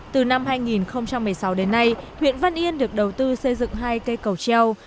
từ năm hai nghìn một mươi sáu đến nay huyện văn yên được đầu tư xây dựng hai cây cầu treo